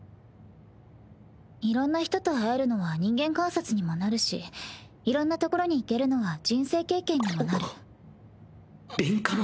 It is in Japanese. いろんな人と会えるのは人間観察にもなるしいろんな所に行けるのは人生経験にもなる。